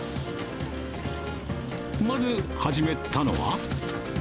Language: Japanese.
まず始めたのは。